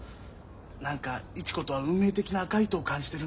何か市子とは運命的な赤い糸を感じてるんだ。